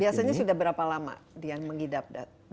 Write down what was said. biasanya sudah berapa lama dian mengidap